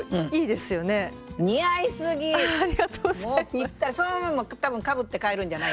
ぴったりそのまま多分かぶって帰るんじゃないですか？